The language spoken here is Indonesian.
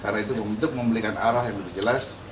karena itu untuk memiliki arah yang lebih jelas